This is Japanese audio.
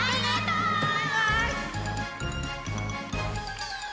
バイバイ！